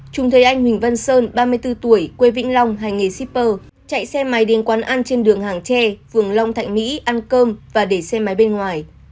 chúng thấy anh huỳnh văn sơn ba mươi bốn tuổi quê vĩnh long hành nghề shipper chạy xe máy đến quán ăn trên đường hàng tre phường long thạnh mỹ ăn cơm và để xe máy bên ngoài